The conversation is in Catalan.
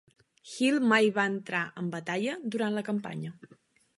Hill mai va entrar en batalla durant la campanya.